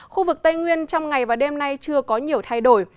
khu vực tây nguyên trong ngày và đêm nay chưa có nhiều thay đổi